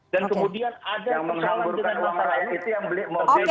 dan kemudian ada persoalan dengan masyarakat